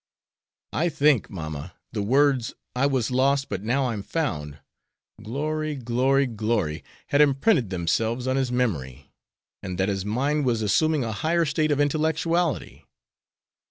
I think, mamma, the words, 'I was lost but now I'm found; glory! glory! glory!' had imprinted themselves on his memory, and that his mind was assuming a higher state of intellectuality.